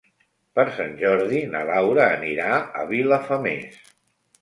Per Sant Jordi na Laura anirà a Vilafamés.